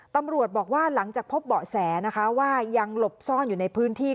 ตำรวจบอกว่าหลังจากพบเบาะแสนะคะว่ายังหลบซ่อนอยู่ในพื้นที่